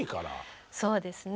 そうですね。